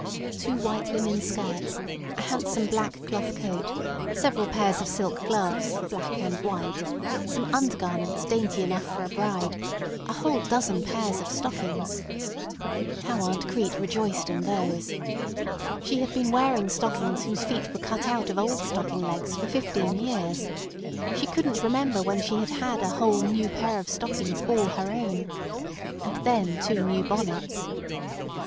Two white linen skirts, a handsome black cloth coat, several pairs of silk gloves, black and white, some undergarments dainty enough for a bride, a whole dozen pairs of stockings! How Aunt Crete rejoiced in those! She had been wearing stockings whose feet were cut out of old stocking legs for fifteen years. She couldn't remember when she had had a whole new pair of stockings all her own. And then two new bonnets.